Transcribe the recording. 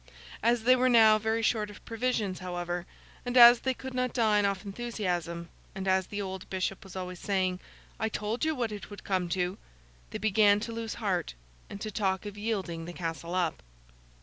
As they were now very short of provisions, however, and as they could not dine off enthusiasm, and as the old bishop was always saying, 'I told you what it would come to!' they began to lose heart, and to talk of yielding the castle up.